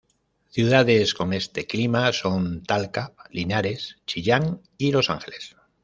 Ciudades con este clima son Talca, Linares, Chillán y Los Ángeles..